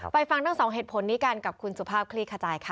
ฟังทั้งสองเหตุผลนี้กันกับคุณสุภาพคลี่ขจายค่ะ